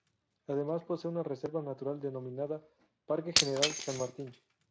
Además posee una reserva natural denominada "parque General San Martín".